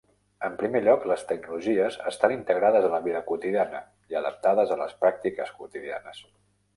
En primer lloc, les tecnologies estan integrades a la vida quotidiana i adaptades a les pràctiques quotidianes.